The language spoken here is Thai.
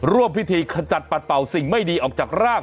ร่วมพิธีขจัดปัดเป่าสิ่งไม่ดีออกจากร่าง